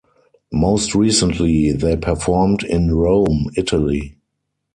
Most recently, they performed in Rome, Italy.